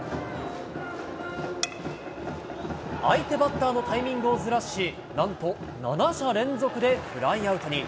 相手バッターのタイミングをずらし、なんと、７者連続でフライアウトに。